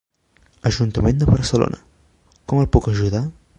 Ajuntament de Barcelona, com el puc ajudar?